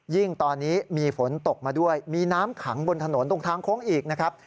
ยิ่งตอนนี้มีฝนตกมาด้วยมีน้ำขังบนถนนตรงทางโค้งอีกนะครับ